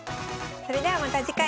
それではまた次回。